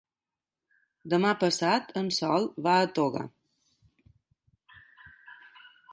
Demà passat en Sol va a Toga.